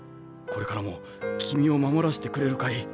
これからも君を守らせてくれるかい？